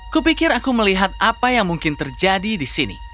kupikir aku melihat apa yang mungkin terjadi di sini